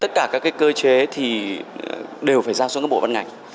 tất cả các cái cơ chế thì đều phải giao xuống các bộ văn ngành